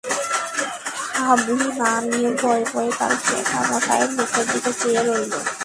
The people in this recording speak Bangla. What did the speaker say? হাবলু না নিয়ে ভয়ে ভয়ে তার জ্যাঠামশায়ের মুখের দিকে চেয়ে রইল।